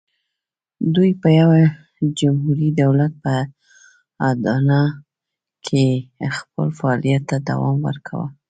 دوی په یوه جمهوري دولت په اډانه کې خپل فعالیت ته دوام ورکاوه.